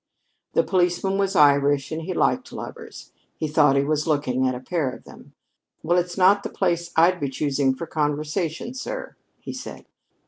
The policeman was Irish and he liked lovers. He thought he was looking at a pair of them. "Well, it's not the place I'd be choosing for conversation, sir," he said.